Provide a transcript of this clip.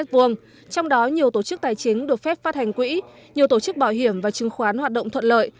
trong đó nhiều tổ chức tài chính được phép phát hành quỹ nhiều tổ chức bảo hiểm và chứng khoán hoạt động thuận lợi